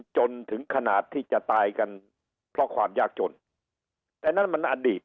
จนถึงขนาดที่จะตายกันเพราะความยากจนแต่นั่นมันอดีต